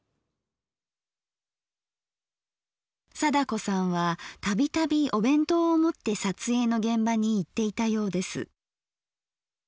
貞子さんは度々お弁当を持って撮影の現場に行っていたようです。